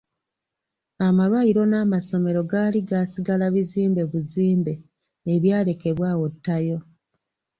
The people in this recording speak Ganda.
Amalwaliro n'amasomero gaali gaasigala bizimbe buzimbe ebyalekebwa awo ttayo.